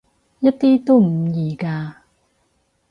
一啲都唔易㗎